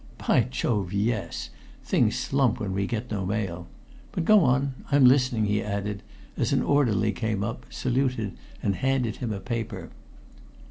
"By Jove, yes! Things slump when we get no mail. But go on I'm listening," he added, as an orderly came up, saluted, and handed him a paper.